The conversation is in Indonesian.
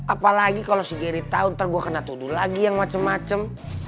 apalagi kalo si geri tau ntar gue kena tuduh lagi yang macem macem